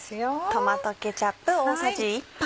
トマトケチャップ大さじ１杯。